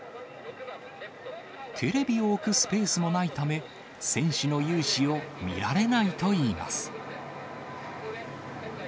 テレビを置くスペースもないため、選手の雄姿を見られないといいます。